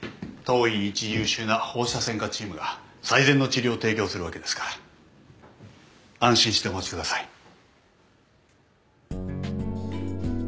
当院一優秀な放射線科チームが最善の治療を提供するわけですから安心してお待ちください。